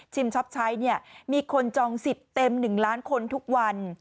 ช็อปใช้เนี่ยมีคนจองสิทธิ์เต็ม๑ล้านคนทุกวัน